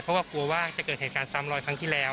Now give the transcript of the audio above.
เพราะว่ากลัวว่าจะเกิดเหตุการณ์ซ้ำรอยครั้งที่แล้ว